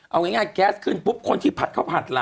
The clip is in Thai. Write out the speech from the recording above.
เอาง่ายแก๊สขึ้นปุ๊บคนที่ผัดข้าวผัดล่ะ